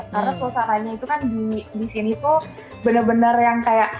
karena suasananya itu kan di sini tuh benar benar yang kayak